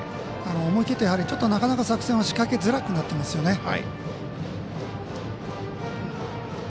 思い切って、なかなか作戦を仕掛けづらくなっていますよね。